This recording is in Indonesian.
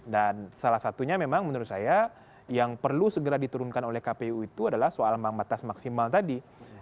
dan salah satunya memang menurut saya yang perlu segera diturunkan oleh kpu itu adalah soal bank batas maksimal tadi